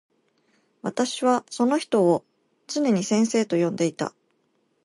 私はその人をつねに先生と呼んでいた。